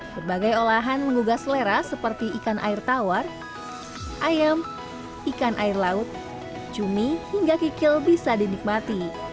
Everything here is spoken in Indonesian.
berbagai olahan menggugah selera seperti ikan air tawar ayam ikan air laut cumi hingga kikil bisa dinikmati